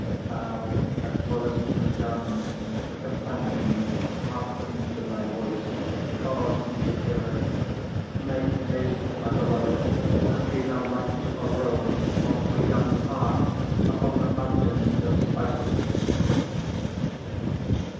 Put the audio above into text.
8:13 Thou that dwellest in the gardens, the companions hearken to thy voice: cause me to hear it. 8:14 Make haste, my beloved, and be thou like to a roe or to a young hart upon the mountains of spices.